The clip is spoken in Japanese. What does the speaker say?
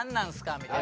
みたいな。